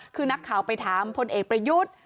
คือนักข่าวไปถามพลเอกประยุทธ์